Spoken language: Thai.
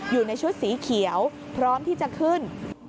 อยู่ในชุดสีเขียวพร้อมที่จะขึ้น